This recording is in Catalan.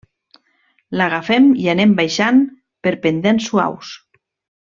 L'agafem i anem baixant per pendents suaus.